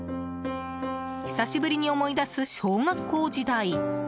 久しぶりに思い出す小学校時代。